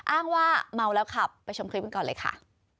อ้างว่าเมาแล้วขับไปชมคลิปกันก่อนเลยค่ะ